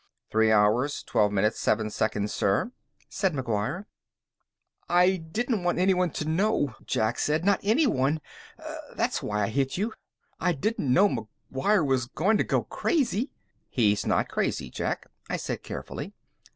"Three hours, twelve minutes, seven seconds, sir," said McGuire. "I didn't want anyone to know," Jack said. "Not anyone. That's why I hit you. I didn't know McGuire was going to go crazy." "He's not crazy, Jack," I said carefully.